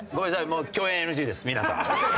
もう共演ＮＧです皆さん。